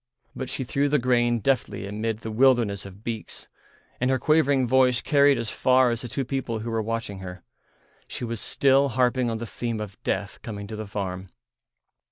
But she threw the grain deftly amid the wilderness of beaks, and her quavering voice carried as far as the two people who were watching her. She was still harping on the theme of death coming to the farm.